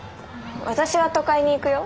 私は都会に行くよ。